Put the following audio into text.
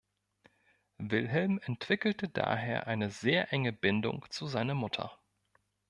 Wilhelm entwickelte daher eine sehr enge Bindung zu seiner Mutter.